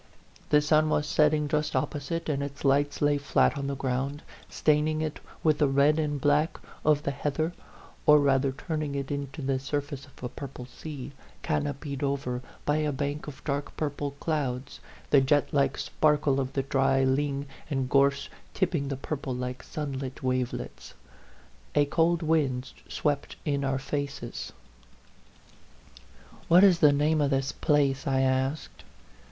The sun was setting just op posite, and its lights lay flat on the ground, staining it with the red and black of the heather, or rather turning it into the surface of a purple sea, canopied over by a bank of dark purple clouds the jetlike sparkle of the dry ling and gorse tipping the purple like sunlit wavelets. A cold wind swept in our faces. " What is the name of this place?" I asked.